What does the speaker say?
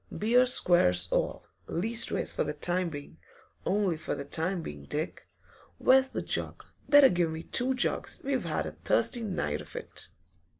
Beer squares all leastways for the time being only for the time being, Dick. Where's the jug? Better give me two jugs; we've had a thirsty night of it.